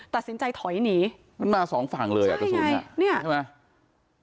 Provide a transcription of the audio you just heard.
ตัดสินใจถอยหนีมันมาสองฝั่งเลยอ่ะกระสุนเนี่ยใช่ไหม